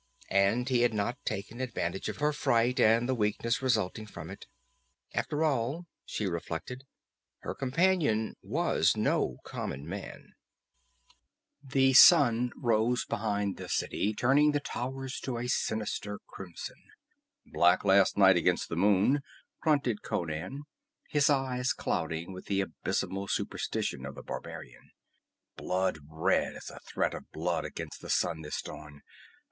And he had not taken advantage of her fright and the weakness resulting from it. After all, she reflected, her companion was no common man. The sun rose behind the city, turning the towers to a sinister crimson. "Black last night against the moon," grunted Conan, his eyes clouding with the abysmal superstition of the barbarian. "Blood red as a threat of blood against the sun this dawn.